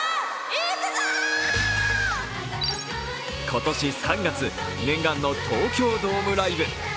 今年３月念願の東京ドームライブ。